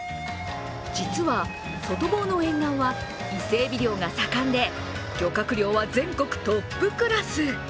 実は、外房の沿岸は伊勢えび漁が盛んで漁獲量は全国トップクラス。